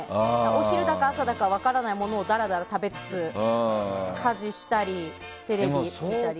お昼だか朝だか分からないものをだらだらと食べつつ、家事をしたりテレビを見たり。